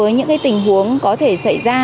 những tình huống có thể xảy ra